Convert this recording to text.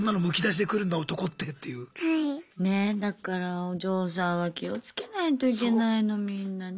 ねだからお嬢さんは気をつけないといけないのみんなね。